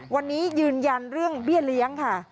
วันนี้ยืนยันเรื่องเบี้ยเลี้ยงค่ะ